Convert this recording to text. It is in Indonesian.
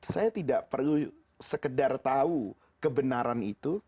saya tidak perlu sekedar tahu kebenaran itu